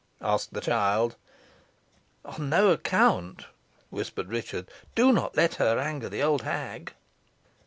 asked the child. "On no account," whispered Richard. "Do not let her anger the old hag."